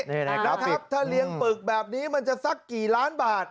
นี่นะครับถ้าเลี้ยงปึกแบบนี้มันจะสักกี่ล้านบาท